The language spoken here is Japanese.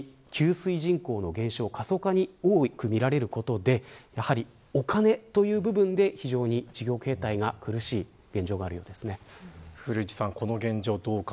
つまり、給水、人口の減少過疎化に多く見られることでやはりお金という部分で非常に経済が苦しい現状が古市さん